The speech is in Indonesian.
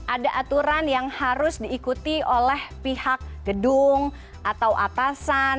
ada aturan yang harus diikuti oleh pihak gedung atau atasan